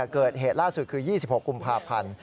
เกิดเหตุล่าสุดคือ๒๖กุมภาพันธ์